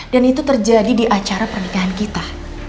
dan itu terjadi di acara pernikahan kita